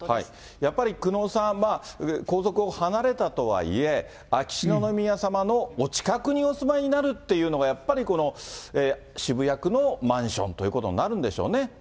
やっぱり久能さん、皇族を離れたとはいえ、秋篠宮さまのお近くにお住まいになるっていうのが、やっぱりこの渋谷区のマンションということになるんでしょうね。